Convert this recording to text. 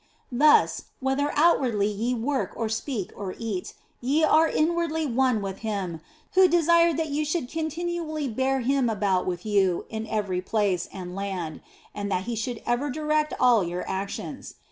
Thus, whether outwardly ye work or speak or eat, ye are inwardly one with Him who desireth that ye should continually bear Him about with you in every place and land, and that He should ever direct all your actions.